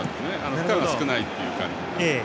負荷が少ないという感じで。